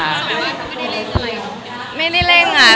สมมติว่าเขาก็ได้เร่งอะไรของพุทธ